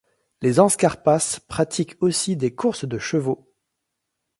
Les Zanskarpas pratiquent aussi des courses de chevaux.